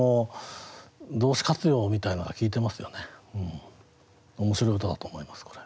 この面白い歌だと思いますこれ。